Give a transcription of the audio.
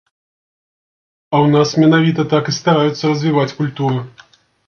А ў нас менавіта так і стараюцца развіваць культуру.